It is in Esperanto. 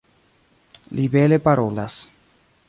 Li bele parolas.